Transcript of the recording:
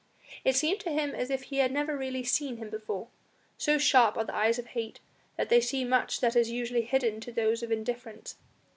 It seemed to him as if he had never really seen him before, so sharp are the eyes of hate that they see much that is usually hidden to those of indifference.